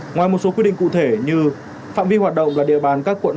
ngoài một số quy định cụ thể như phạm vi hoạt động là địa bàn các quận